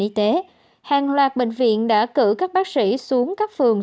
trong tình huống tp hcm hàng loạt bệnh viện đã cử các bác sĩ xuống các phường